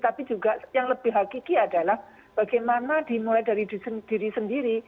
tapi juga yang lebih hakiki adalah bagaimana dimulai dari diri sendiri